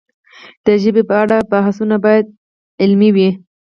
د ژبې په اړه بحثونه باید علمي وي.